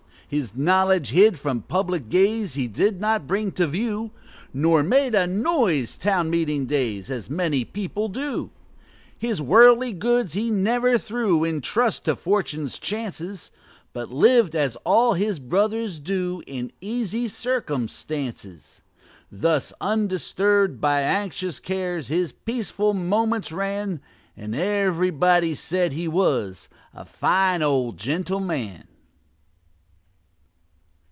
His knowledge hid from public gaze, He did not bring to view, Nor made a noise town meeting days, As many people do. His worldly goods he never threw In trust to fortune's chances, But lived (as all his brothers do) In easy circumstances. Thus undisturb'd by anxious cares, His peaceful moments ran; And everybody said he was A fine old gentleman.